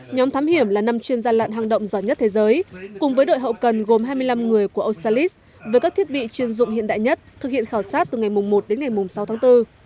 nhóm thám hiểm là năm chuyên gia lặn hang động giỏi nhất thế giới cùng với đội hậu cần gồm hai mươi năm người của osalis với các thiết bị chuyên dụng hiện đại nhất thực hiện khảo sát từ ngày một đến ngày sáu tháng bốn